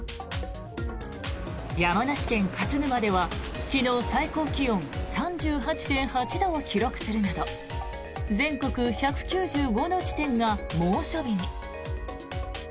山梨県勝沼では昨日最高気温３８．８度を記録するなど全国１９５の地点が猛暑日に。